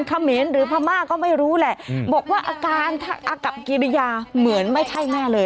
เขมรหรือพม่าก็ไม่รู้แหละบอกว่าอาการอากับกิริยาเหมือนไม่ใช่แม่เลย